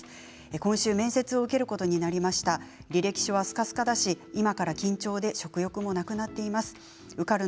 今週面接を受けることになりましたが履歴書がすかすかで今から緊張で食欲もなくなっていきます。